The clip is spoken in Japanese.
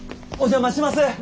お邪魔します！